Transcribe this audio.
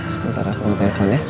sebentar aku nge telepon ya